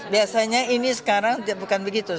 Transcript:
biasanya ini sekarang bukan begitu